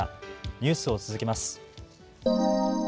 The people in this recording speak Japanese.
ニュースを続けます。